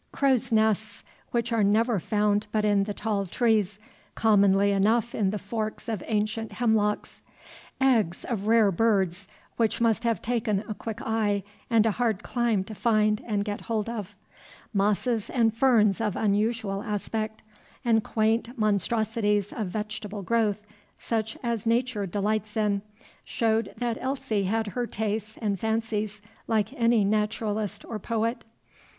Crows' nests, which are never found but in the tall trees, commonly enough in the forks of ancient hemlocks, eggs of rare birds, which must have taken a quick eye and a hard climb to find and get hold of, mosses and ferns of unusual aspect, and quaint monstrosities of vegetable growth, such as Nature delights in, showed that Elsie had her tastes and fancies like any naturalist or poet.